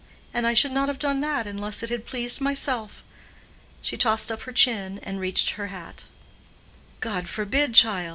"And I should not have done that unless it had pleased myself." She tossed up her chin, and reached her hat. "God forbid, child!